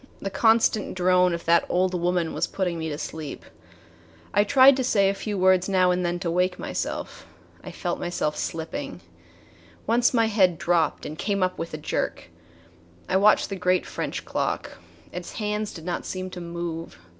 The constant drone of that old woman was putting me to sleep. I tried to say a few words now and then to wake myself. I felt myself slipping. Once my head dropped and came up with a jerk. I watched the great French clock. Its hands did not seem to move.